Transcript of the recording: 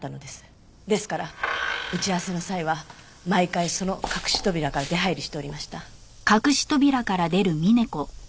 ですから打ち合わせの際は毎回その隠し扉から出入りしておりました。